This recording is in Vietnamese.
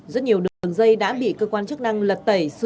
rất nhiều đường dây đã bị cơ quan chức năng lật tẩy